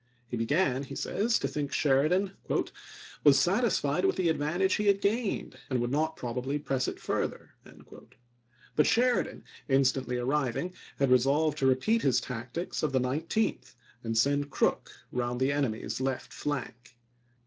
He began, he says, to think Sheridan " was satisfied with the advantage "MEeSrof he had gained and would not probably press it fur Yea? of^tue ther." But Sheridan, instantly on arriving, had re p 99. solved to repeat his tactics of the 19th, and send Crook round the enemy's left flank.